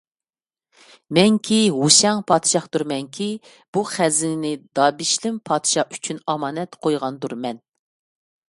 مەنكى ھۇشەڭ پادىشاھىدۇرمەنكى، بۇ خەزىنىنى دابىشلىم پادىشاھ ئۈچۈن ئامانەت قويغاندۇرمەن.